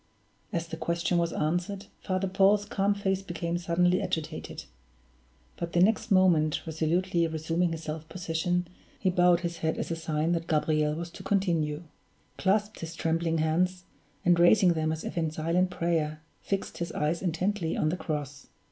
As the question was answered, Father Paul's calm face became suddenly agitated; but the next moment, resolutely resuming his self possession, he bowed his head as a sign that Gabriel was to continue; clasped his trembling hands, and raising them as if in silent prayer, fixed his eyes intently on the cross.